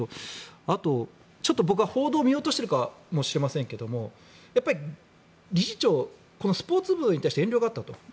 あと、僕は報道を見落としているかもしれませんが理事長がスポーツ部に対して遠慮があったと。